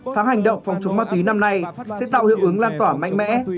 tháng hành động phòng chống ma túy năm nay sẽ tạo hiệu ứng lan tỏa mạnh mẽ